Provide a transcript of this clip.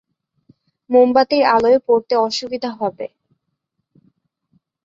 মোমবাতির আলোয় পড়তে অসুবিধা হবে।